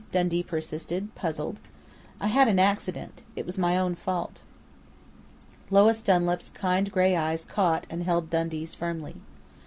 Dundee persisted, puzzled. "I had an accident. It was my own fault." Lois Dunlap's kind grey eyes caught and held Dundee's firmly.